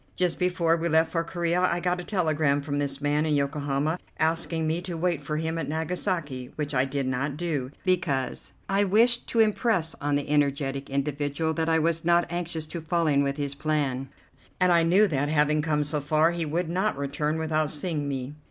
Just before we left for Corea I got a telegram from this man in Yokohama, asking me to wait for him at Nagasaki, which I did not do, because I wished to impress on the energetic individual that I was not anxious to fall in with his plan, and I knew that, having come so far, he would not return without seeing me.